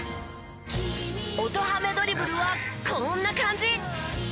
音ハメドリブルはこんな感じ。